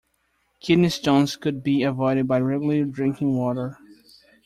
Kidney stones could be avoided by regularly drinking water.